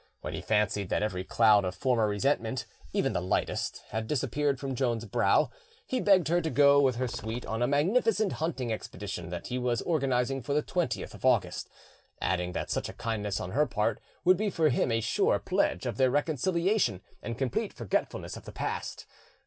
When he fancied that every cloud of former resentment, even the lightest, had disappeared from Joan's brow, he begged her to go with her suite on a magnificent hunting expedition that he was organising for the 20th of August, adding that such a kindness on her part would be for him a sure pledge of their reconciliation and complete forgetfulness of the past.